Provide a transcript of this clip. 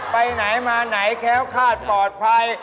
ไปไหนมาไหนแค้วคาดปลอดภัย